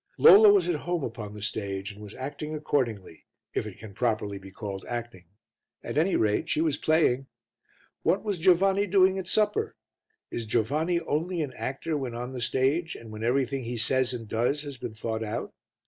Lola was at home upon the stage and was acting accordingly, if it can properly be called acting, at any rate she was playing. What was Giovanni doing at supper? Is Giovanni only an actor when on the stage and when everything he says and does has been thought out?